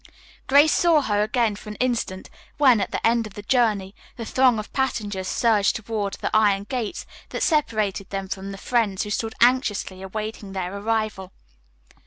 Grace saw her again for an instant when, at the end of the journey, the throng of passengers surged toward the iron gates that separated them from the friends who stood anxiously awaiting their arrival.